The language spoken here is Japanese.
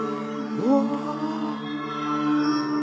うわ！